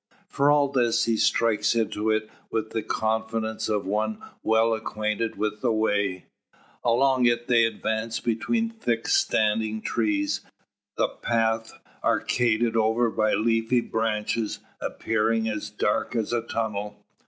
For all this, he strikes into it with the confidence of one well acquainted with the way. Along it they advance between thick standing trees, the path arcaded over by leafy branches appearing as dark as a tunnel.